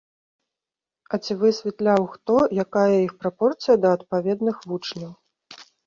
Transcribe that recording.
А ці высвятляў хто, якая іх прапорцыя да адпаведных вучняў?